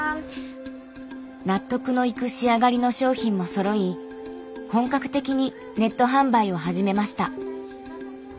納得のいく仕上がりの商品もそろい本格的にネット販売を始めました。